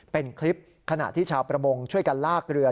เป็นคลิปขณะที่ชาวประมงช่วยกันลากเรือ